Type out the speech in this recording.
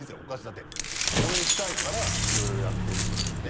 だって応援したいからいろいろやってるっていうね。